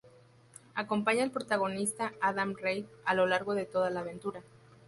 Acompaña al protagonista, Adam Reith, a lo largo de toda la aventura.